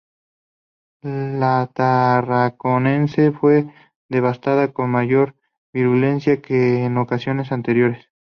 La Tarraconense fue devastada con mayor virulencia que en ocasiones anteriores.